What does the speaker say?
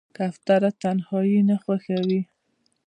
کوتره تنهایي نه خوښوي.